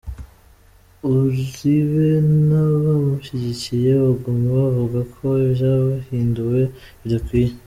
Uribe n’abamushigikiye baguma bavuga ko ivyahinduwe bidakwiye.